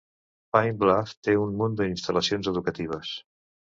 Pine Bluff té un munt d'instal·lacions educatives.